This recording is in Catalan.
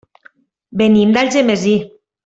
Venim d'Algemesí.